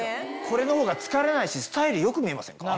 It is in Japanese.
これのほうが疲れないしスタイル良く見えませんか？